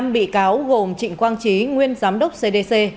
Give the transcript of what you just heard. năm bị cáo gồm trịnh quang trí nguyên giám đốc cdc